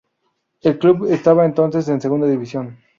El club estaba entonces en Segunda División.